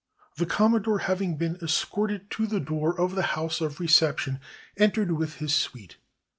The Commodore having been escorted to the door of the house of reception, entered with his suite.